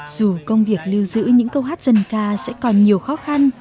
dù công việc lưu giữ những câu hát dân ca sẽ còn nhiều khó khăn